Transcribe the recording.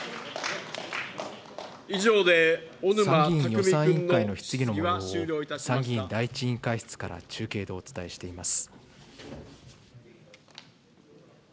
参議院予算委員会の質疑のもようを参議院第１委員会室から中継でお伝えしています。